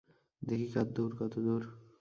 দেখি কার দৌড় কতদূর?